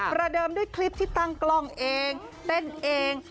ประเดิมด้วยคลิปที่ตั้งกล้องเองเต้นเอง